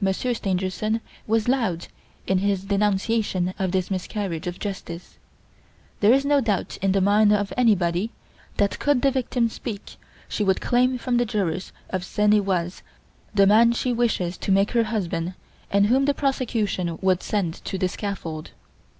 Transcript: Monsieur Stangerson was loud in his denunciation of this miscarriage of justice. There is no doubt in the mind of anybody that could the victim speak she would claim from the jurors of Seine et Oise the man she wishes to make her husband and whom the prosecution would send to the scaffold.